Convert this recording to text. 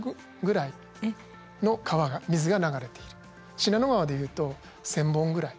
信濃川で言うと１，０００本ぐらい。